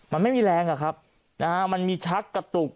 มันไม่มีแรงอะครับนะฮะมันมีชักกระตุก